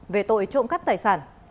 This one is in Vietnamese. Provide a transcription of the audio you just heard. về tội trộm cắt tài sản